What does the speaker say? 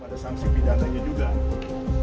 ada sanksi pidatanya juga